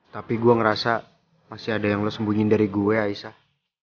tapi gue ngerasa masih ada yang lo sembunyiin dari gue aisah